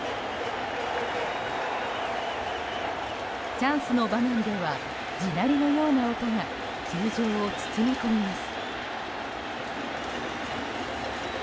チャンスの場面では地鳴りのような音が球場を包み込みます。